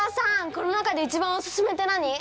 この中で一番オススメって何？